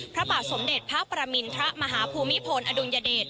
พระบาทสมเด็จพระประมินทรมาฮภูมิพลอดุลยเดช